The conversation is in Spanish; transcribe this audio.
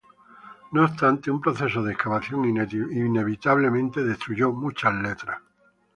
No obstante, un proceso de excavación inevitablemente destruyó muchas letras.